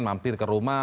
mampir ke rumah